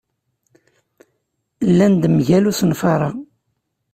Llan-d mgal usenfar-a.